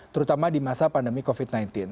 terutama di masa pandemi covid sembilan belas